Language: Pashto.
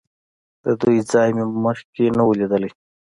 د دوی ځای مې مخکې نه و لیدلی.